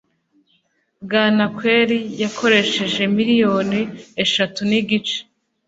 Bwanakweri yakoresheje miliyoni eshatu nigice